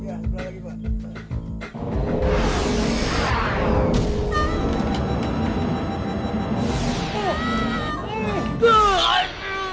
ya sebelah lagi pak